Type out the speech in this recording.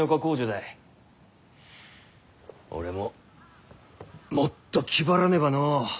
俺ももっと気張らねばのう。